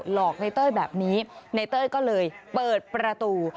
หลอกในเต้ยแบบนี้ในเต้ยก็เลยเปิดประตู